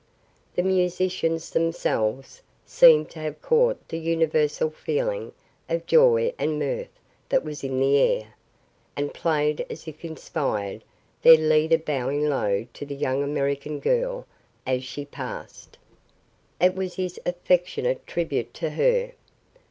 The musicians themselves seemed to have caught the universal feeling of joy and mirth that was in the air, and played as if inspired, their leader bowing low to the young American girl as she passed. It was his affectionate tribute to her.